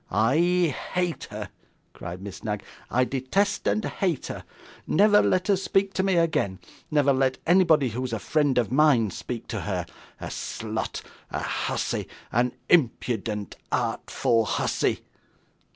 'I hate her,' cried Miss Knag; 'I detest and hate her. Never let her speak to me again; never let anybody who is a friend of mine speak to her; a slut, a hussy, an impudent artful hussy!